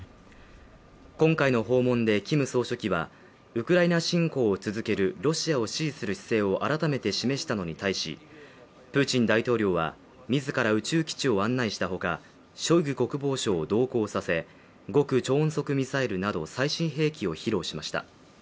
今回の訪問でキム総書記はウクライナ侵攻を続けるロシアを支持する姿勢を改めて示したのに対しプーチン大統領は自ら宇宙基地を案内したほかショイグ国防相を同行させ極超音速ミサイルなど最新兵器を披露しました。